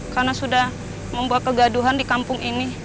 karena sudah membuat kegaduhan di kampung ini